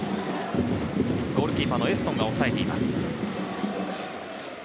ゴールキーパー、エッソンが抑えています。